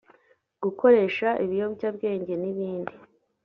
gukoresha ibiyobyabwenge n’ibindi